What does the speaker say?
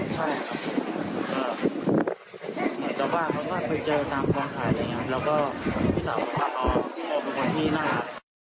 ใช่แต่ว่าเขาก็เคยเจอตามกองถ่ายอย่างนี้แล้วก็พี่สาวก็พอเป็นคนที่นี่นะครับ